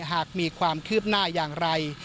หากมีความคืบหน้าอย่างไร